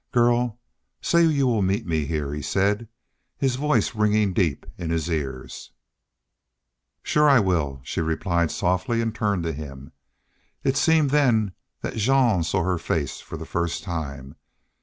"Girl, say you will meet me here," he said, his voice ringing deep in his ears. "Shore I will," she replied, softly, and turned to him. It seemed then that Jean saw her face for the first time.